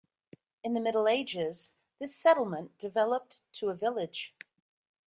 In the Middle Ages, this settlement developed to a village.